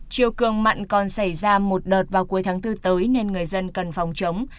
chiều cường mặn còn xảy ra một đợt vào cuối tháng bốn tới nên người dân cần phòng chống